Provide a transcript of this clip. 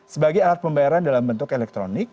sebagai alat pembayaran dalam bentuk elektronik